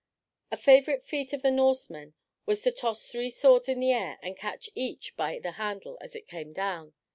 A favorite feat of the Norsemen was to toss three swords in the air and catch each by the handle as it came down.